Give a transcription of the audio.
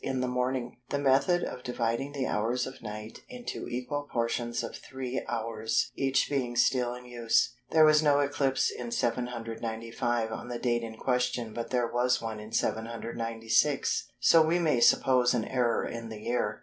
in the morning, the method of dividing the hours of night into equal portions of three hours each being still in use. There was no eclipse in 795 on the date in question but there was one in 796, so we may suppose an error in the year.